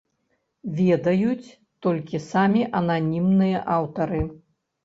Ведаюць толькі самі ананімныя аўтары.